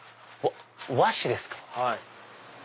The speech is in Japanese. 和紙ですか？